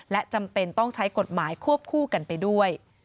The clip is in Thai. และจำเป็นต้องใช้กฎหมายควบคู่กันไปด้วย